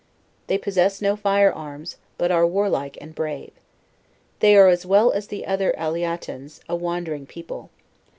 They possess no fire arms, but are war like and brave. They are as well as the other Aliatans, a wandering people.